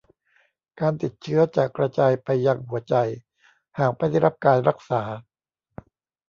การติดเชื้อจะกระจายไปยังหัวใจหากไม่ได้รับการรักษา